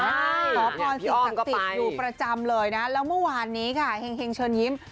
พี่โป๊งก็ไปอยู่ประจำเลยนะแล้วเมื่อวานนี้ค่ะเฮงเชิญยิ้ม